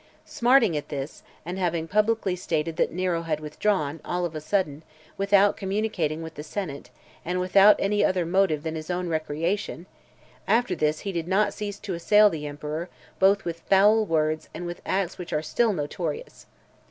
Smarting at this, and having publicly stated that Nero had withdrawn, all of a sudden, without communicating with the senate, and without any other motive than his own recreation, after this he did not cease to assail the emperor both with foul words and with acts which are still notorious.